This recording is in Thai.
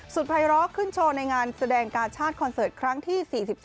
ภัยร้อขึ้นโชว์ในงานแสดงกาชาติคอนเสิร์ตครั้งที่๔๒